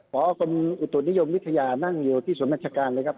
พอกรมอุตุนิยมวิทยานั่งอยู่ที่ส่วนราชการเลยครับ